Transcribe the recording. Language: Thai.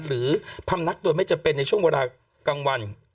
พำนักโดยไม่จำเป็นในช่วงเวลากลางวัน